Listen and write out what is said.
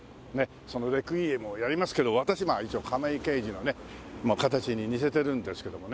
その『レクイエム』をやりますけど私一応亀井刑事のね形に似せてるんですけどもね。